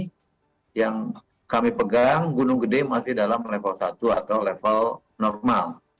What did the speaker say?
jadi data yang sampai saat ini yang kami pegang gunung kede masih dalam level satu atau level normal